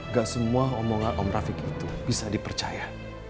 gak semua omongan om rafiq itu bisa dipercaya